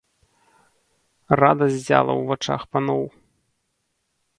Радасць ззяла ў вачах паноў.